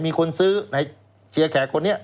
มีคนซื้อในเชียร์แขกคนนี้